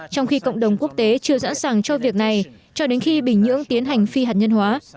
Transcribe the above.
trong khi cộng đồng quốc tế chưa sẵn sàng cho việc này cho đến khi bình nhưỡng tiến hành phi hạt nhân hóa